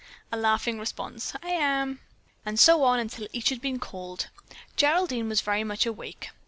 A laughing response: "I am!" And so on until each had been called. Geraldine was very much awake.